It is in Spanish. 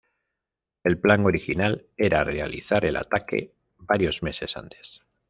El plan original era realizar el ataque varios meses antes.